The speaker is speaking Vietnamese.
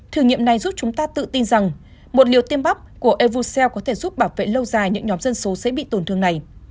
thử nghiệm này giúp chúng ta tự tin rằng một liều tiêm bắp của evoseel có thể giúp bảo vệ lâu dài những nhóm dân số sẽ bị tổn thương này